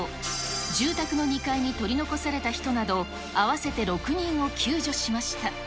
住宅の２階に取り残された人など、合わせて６人を救助しました。